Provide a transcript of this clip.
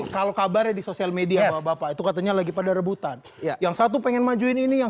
kalau kabarnya di sosial media bapak bapak itu katanya lagi pada rebutan yang satu pengen majuin ini yang